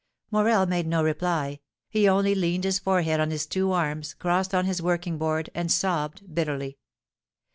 Morel made no reply; he only leaned his forehead on his two arms, crossed on his working board, and sobbed bitterly.